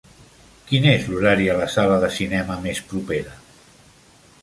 Quin és l'horari a la sala de cinema més propera?